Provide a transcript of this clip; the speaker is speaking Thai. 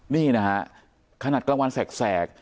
นี่นะฮะขนาดกลางวันแสก